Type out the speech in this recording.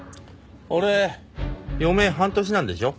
俺余命半年なんでしょ？